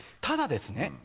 ただですね